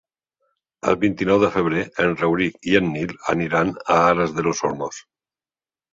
El vint-i-nou de febrer en Rauric i en Nil aniran a Aras de los Olmos.